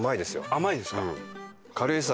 甘いですか。